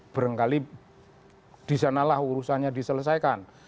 berengkali disanalah urusannya diselesaikan